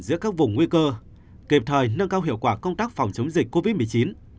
giữa các vùng nguy cơ kịp thời nâng cao hiệu quả công tác phòng chống dịch covid một mươi chín